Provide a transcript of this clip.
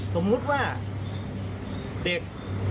สมมุติว่าเด็ก